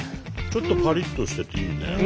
ちょっとパリッとしてていいね。